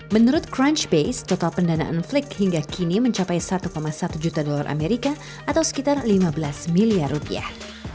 menurut crunch base total pendanaan flick hingga kini mencapai satu satu juta dolar amerika atau sekitar lima belas miliar rupiah